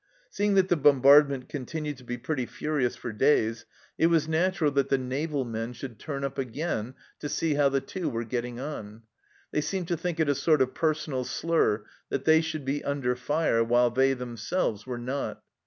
Seeing that the bombardment continued to be pretty furious for days, it was natural that the naval THE END OF 1914 181 men should turn up again to see how the Two were getting on ; they seemed to think it a sort of personal slur that they should be under fire while they themselves were not.